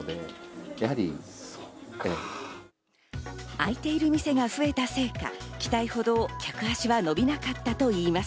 開いている店が増えたせいか、期待ほど客足は伸びなかったといいます。